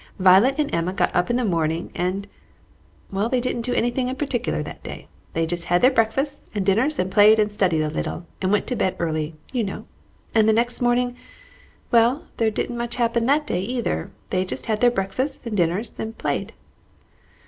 Violet and Emma got up in the morning, and well, they didn't do anything in particular that day. They just had their breakfasts and dinners, and played and studied a little, and went to bed early, you know, and the next morning well, there didn't much happen that day, either; they just had their breakfasts and dinners, and played."